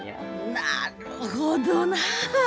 なるほどなあ。